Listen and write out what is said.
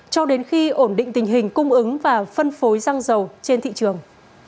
cho đến khi ổn định tình hình cung ứng và phân phối xăng dầu trên thị trường